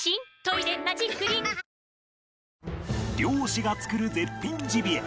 猟師が作る絶品ジビエ